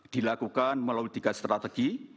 dilakukan melalui tiga strategi